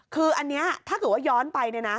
คืออันนี้ถ้าเกิดว่าย้อนไป